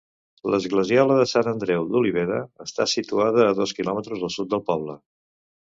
L'esglesiola de Sant Andreu d'Oliveda està situada a dos quilòmetres al sud del poble.